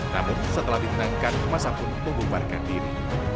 namun setelah ditenangkan masa pun membubarkan diri